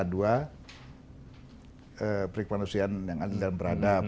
dua perikmanusiaan yang adil dan beradab